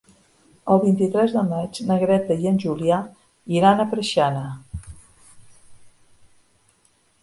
El vint-i-tres de maig na Greta i en Julià iran a Preixana.